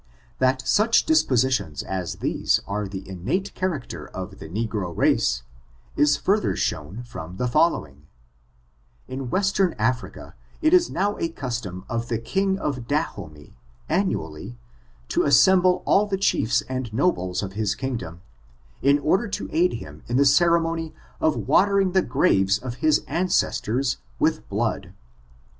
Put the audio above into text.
That such dispositions as these are the innate character of the negro race, is further shown from the following : In Western Africa, it is now a custom of the king of Dahomey, annually to assemble all the chiefs and nobles of his kingdom, in order to aid him in the ceremony of watering the graves of his ancestors with blood.